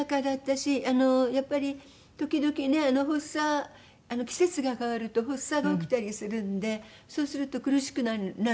私あのやっぱり時々ね発作季節が変わると発作が起きたりするんでそうすると苦しくなるんですね。